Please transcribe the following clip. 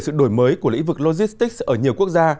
sự đổi mới của lĩnh vực logistics ở nhiều quốc gia